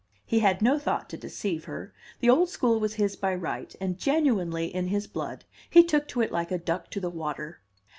(He had no thought to deceive her; the old school was his by right, and genuinely in his blood, he took to it like a duck to the water.)